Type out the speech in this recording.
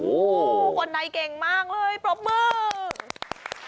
โอ้โหคนในเก่งมากเลยปรบมือ